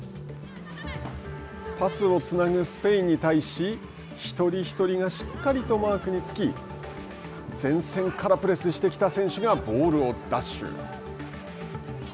パスをつなぐスペインに対し一人一人がしっかりマークにつき前線からプレスしてきた選手がボールを奪取。